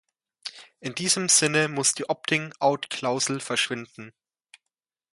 In diesem Sinne muss die Opting-out-Klausel verschwinden.